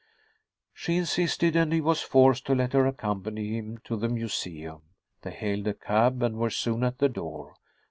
She insisted and he was forced to let her accompany him to the museum. They hailed a cab and were soon at the door.